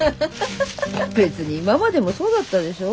別に今までもそうだったでしょ。